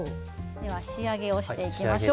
仕上げをしていきましょう。